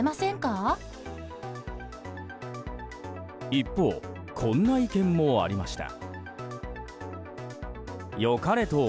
一方こんな意見もありました。